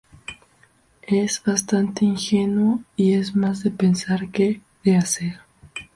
Es bastante ingenuo y es más de pensar que de hacer.